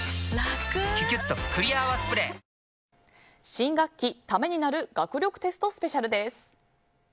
新学期ためになる学力テストスペシャルです。